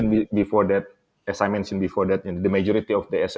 sebagian besar dari smes